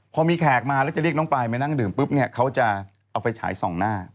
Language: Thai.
พอมีแขกมาแล้วจะเรียกน้องปลายมานั่งดื่มปุ๊บเนี่ยเขาจะเอาไฟฉายส่องหน้า